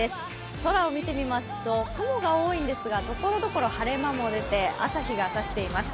空を見てみますと雲が多いんですがところどころ晴れ間も出て朝日が差しています。